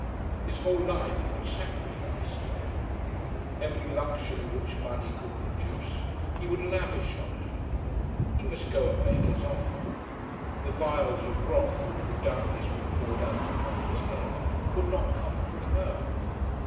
His whole life he would sacrifice to her. Every luxury which money could purchase he would lavish on her. He must go and make his offer. The vials of wrath which would doubtless be poured out upon his head would not come from her.